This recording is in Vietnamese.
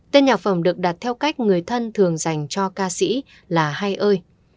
tên nhạc phẩm được đặt theo cách người thân thường dành cho ca sĩ là hay ơi